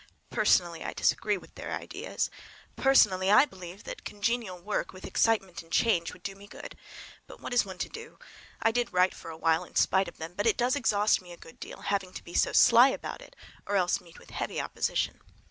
Personally, I disagree with their ideas. Personally, I believe that congenial work, with excitement and change, would do me good. But what is one to do? I did write for a while in spite of them; but it does exhaust me a good deal—having to be so sly about it, or else meet with heavy opposition.